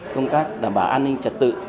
công tác đảm bảo an ninh trật tự